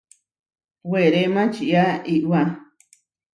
Weré maʼčía iʼwá.